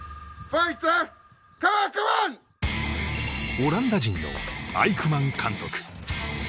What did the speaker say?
オランダ人のアイクマン監督。